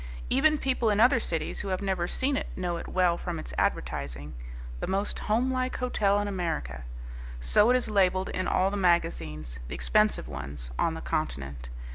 Even people in other cities who have never seen it know it well from its advertising; "the most homelike hotel in America," so it is labelled in all the magazines, the expensive ones, on the continent.